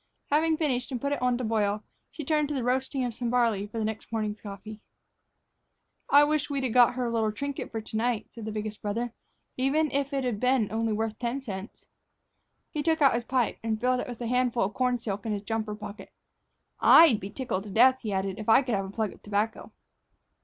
Having finished and put it on to boil, she turned to the roasting of some barley for the next morning's coffee. "I wish we'd a got her a little trinket for to night," said the biggest brother, "even if it'd a been only worth ten cents." He took out his pipe and filled it from a handful of corn silk in his jumper pocket. "I'd be tickled to death," he added, "if I could have a plug of tobacco."